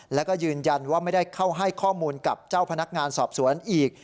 แล้วก็ยืนยันว่าไม่ได้เข้าให้ข้อมูลกับเจ้าพนักงานสอบสวนอีก